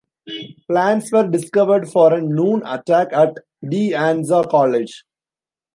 Plans were discovered for a noon attack at De Anza College.